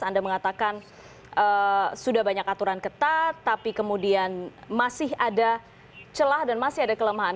anda mengatakan sudah banyak aturan ketat tapi kemudian masih ada celah dan masih ada kelemahan